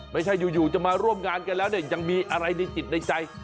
ไม่ใช่อยู่จะมาร่วมงานกันแล้วเนี่ยยังมีอะไรในจิตในใจ